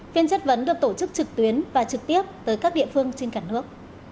phiên chất vấn được tổ chức trực tuyến và trực tiếp tới các địa phương trên cả nước